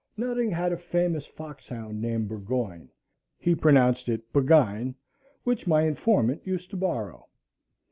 Nutting had a famous fox hound named Burgoyne,—he pronounced it Bugine,—which my informant used to borrow.